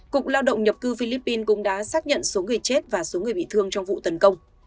cục lao động nhập cư philippines cũng đã xác nhận số người chết và số người bị thương trong vụ tấn công